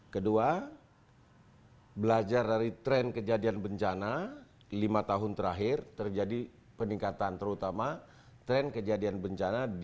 kedua belajar dari tren kejadian bencana lima tahun terakhir terjadi peningkatan terutama tren kejadian bencana di